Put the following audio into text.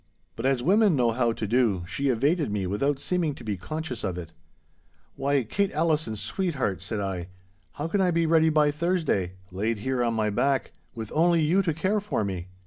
But as women know how to do, she evaded me without seeming to be conscious of it. 'Why, Kate Allison, sweetheart!' said I, 'how can I be ready by Thursday, laid here on my back, with only you to care for me?